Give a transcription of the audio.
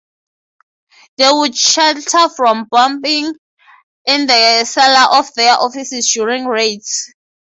They would shelter from bombing in the cellar of their offices during raids.